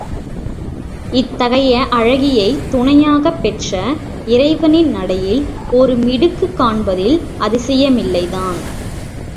இத்தகைய அழகியைத் துணையாகப் பெற்ற இறைவனின் நடையில் ஒரு மிடுக்குக் காண்பதில் அதிசயமில்லைதான்.